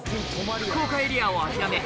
福岡エリアを諦め